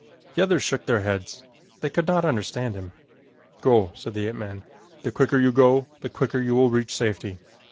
The others shook their heads. They could not understand him. "Go," said the ape man. "The quicker you go, the quicker you will reach safety."